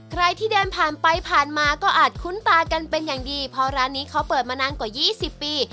ใครที่เดินผ่านไปผ่านมาก็อาจคุ้นตากันเป็นอย่างดีเพราะร้านนี้เขาเปิดมานานกว่า๒๐ปี